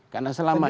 karena selama ini